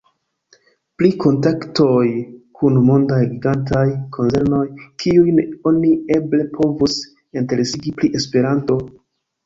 Pri kontaktoj kun mondaj gigantaj konzernoj, kiujn oni eble povus interesigi pri Esperanto?